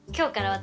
私